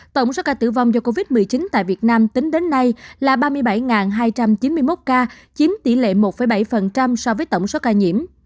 tổng số ca tử vong do covid một mươi chín tại việt nam tính đến nay là ba mươi bảy hai trăm chín mươi một ca chiếm tỷ lệ một bảy so với tổng số ca nhiễm